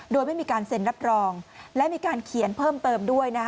โดยไม่มีการเซ็นรับรองและมีการเขียนเพิ่มเติมด้วย